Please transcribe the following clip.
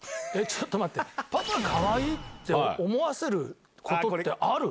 待って「パパかわいい」って思わせることってある？